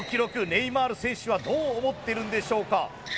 ネイマール選手はどう思ってるんでしょうか？